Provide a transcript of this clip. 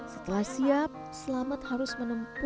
setelah siap selamat harus menempuh